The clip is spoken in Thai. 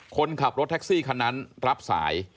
คนขับรถแท็กซี่คันนั้นรับสาย